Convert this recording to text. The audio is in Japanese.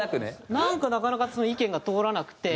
なんかなかなか意見が通らなくて。